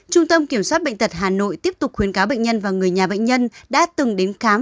trung tâm kiểm soát bệnh tật hà nội tiếp tục khuyến cáo bệnh nhân và người nhà bệnh nhân đã từng đến khám